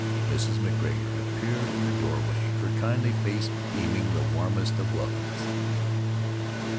Then Mrs. MacGregor appeared in the door way, her kindly face beaming the warmest of welcomes.